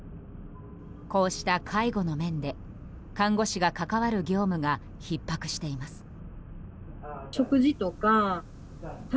こうした介護の面で看護師が関わる業務がひっ迫しています。